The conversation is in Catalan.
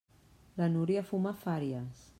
La Núria fuma fàries.